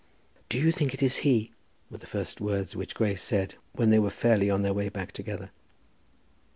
"Do you think it is he?" were the first words which Grace said when they were fairly on their way back together.